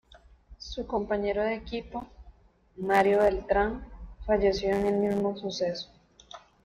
Su compañero de equipo, Mario Beltrán, falleció en el mismo suceso.